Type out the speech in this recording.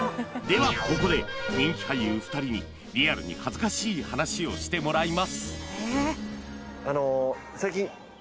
ではここで人気俳優２人にリアルに恥ずかしい話をしてもらいます